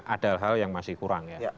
ada hal hal yang masih kurang ya